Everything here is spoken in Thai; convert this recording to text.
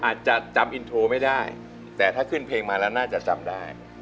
อาจจะจำอินโทรไม่ได้แต่ถ้าขึ้นเพลงมาแล้วน่าจะจำได้